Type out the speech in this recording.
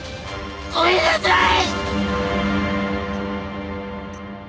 ごめんなさい！